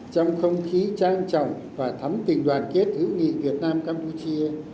trong không khí trang trọng và thắm tình đoàn kết hữu nghị việt nam campuchia